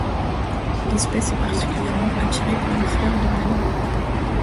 L'espèce est particulièrement attirée par les fleurs de panicaut.